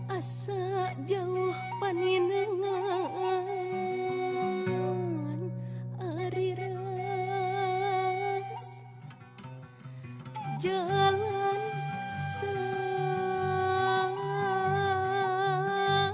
asa jauh paningan ariras jangan setapak